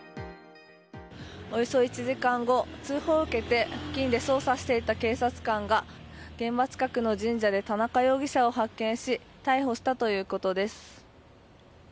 およそ１時間後、通報を受けて付近で捜査していた警察官が、現場近くの神社で田中容疑者を発見し逮捕したということです。